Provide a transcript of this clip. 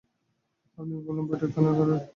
আমি বললুম, বৈঠকখানাঘরে।